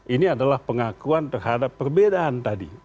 ini adalah pengakuan terhadap perbedaan tadi